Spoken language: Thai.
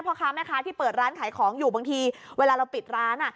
พ่อค้าแม่ค้าที่เปิดร้านขายของอยู่บางทีเวลาเราปิดร้าน